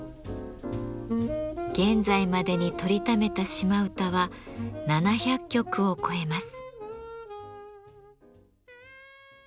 現在までにとりためた島唄は７００曲を超えます。